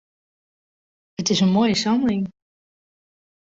It is in moaie samling.